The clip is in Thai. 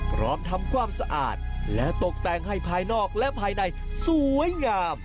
พร้อมทำความสะอาดและตกแต่งให้ภายนอกและภายในสวยงาม